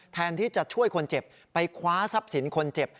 แทนที่จะช่วยคนเจ็บไปคว้าทรัพย์สินคนเจ็บ